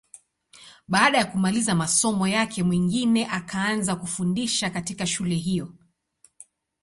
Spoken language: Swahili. Baada ya kumaliza masomo yake, Mwingine akaanza kufundisha katika shule hiyo.